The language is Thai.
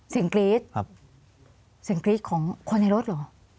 กรี๊ดเสียงกรี๊ดของคนในรถเหรอ